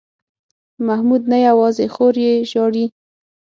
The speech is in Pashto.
محمود نه یوازې خور یې ژاړي.